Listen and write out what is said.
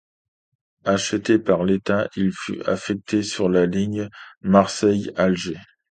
Acheté par l'État, il fut affecté sur la ligne Marseille-Alger.